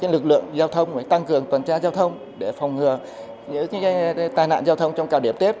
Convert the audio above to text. lực lượng giao thông tăng cường tuần tra giao thông để phòng ngừa những tai nạn giao thông trong cao điểm tết